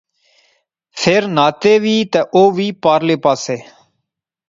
فیر ناطے وہے تہ او وی پارلے پاسے